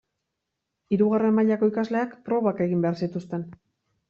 Hirugarren mailako ikasleek probak egin behar zituzten.